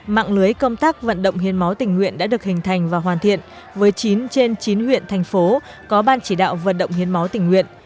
mạng lưới công tác vận động hiến máu tình nguyện đã được hình thành và hoàn thiện với chín trên chín huyện thành phố có ban chỉ đạo vận động hiến máu tỉnh nguyện